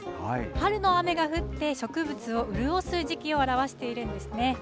春の雨が降って植物を潤す時期を表しているんですね。